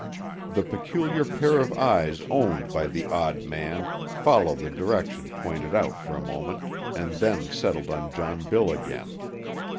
The peculiar pair of eyes owned by the odd man followed the direction pointed out for a moment, and then settled on John Bill again.